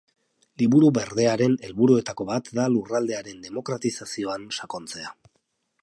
Liburu Berdearen helburuetako bat da lurraldearen demokratizazioan sakontzea.